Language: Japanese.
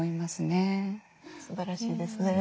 すばらしいですね。